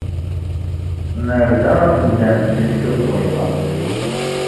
Nerda axeddam-nni s tukerḍa.